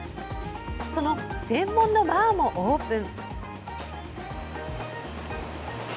その専門のバーもオープン。